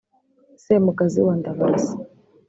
Semugazi wa Ndabarasa